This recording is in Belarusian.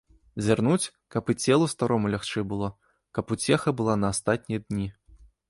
Зірнуць, каб і целу старому лягчэй было, каб уцеха была на астатнія дні.